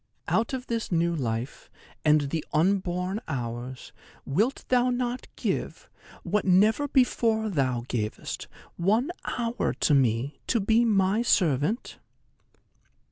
Out of this new life, and the unborn hours, wilt thou not give, what never before thou gavest, one hour to me, to be my servant?"